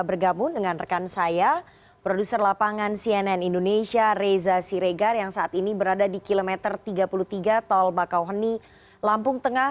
berada di kilometer tiga puluh tiga tol bakauheni lampung tengah